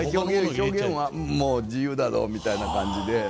表現はもう自由だぞみたいな感じで。